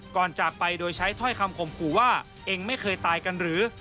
จากไปโดยใช้ถ้อยคำข่มขู่ว่าเองไม่เคยตายกันหรือ